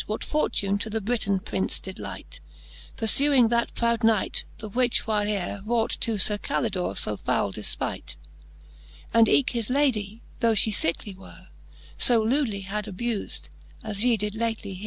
What fortune to the Briton Prince did lite, Purfuing that proud Knight, the which whileare Wrought to Sir Calidore fo foule defpight ; And eke his Lady, though fhe fickely were, So lewdly had abufde, as ye did lately heare.